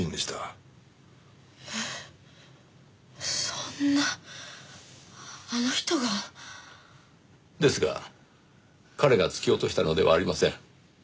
そんなあの人が？ですが彼が突き落としたのではありません。